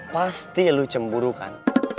pasti lo cemburu kan